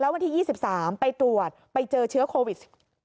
วันที่๒๓ไปตรวจไปเจอเชื้อโควิด๑๙